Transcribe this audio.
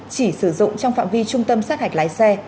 chỉ sử dụng trong phạm vi trung tâm sát hạch lái xe